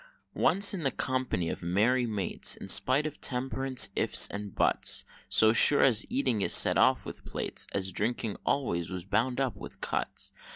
Once in the company of merry mates, In spite of Temperance's if's and buts, So sure as Eating is set off with plates, His Drinking always was bound up with cuts!